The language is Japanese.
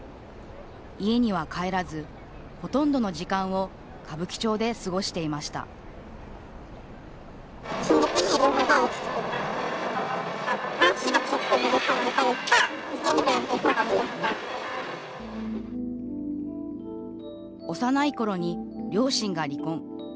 家には帰らず、ほとんどの時間を歌舞伎町で過ごしていました幼いころに両親が離婚。